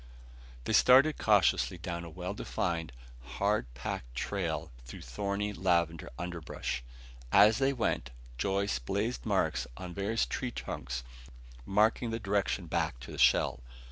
They started cautiously down a well defined, hard packed trail through thorny lavender underbrush. As they went, Joyce blazed marks on various tree trunks marking the direction back to the shell.